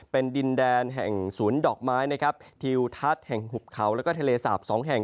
เป็นดินแดนแห่งศูนย์ดอกไม้นะครับทิวทัศน์แห่งหุบเขาแล้วก็ทะเลสาปสองแห่ง